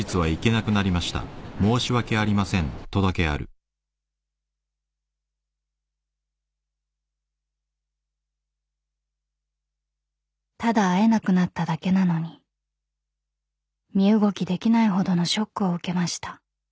「ディアナチュラ」［ただ会えなくなっただけなのに身動きできないほどのショックを受けました］